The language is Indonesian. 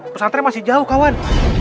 pusatnya masih jauh kawan